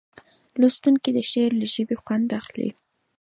لوستونکی د شعر له ژبې خوند اخلي.